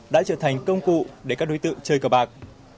đã trở thành công cụ để các đối tượng chơi cờ bạc